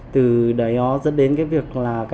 từ đấy dẫn đến việc